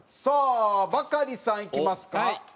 さあバカリさんいきますか。